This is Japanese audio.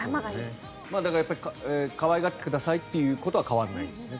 だから可愛がってくださいっていうことは変わらないんですね。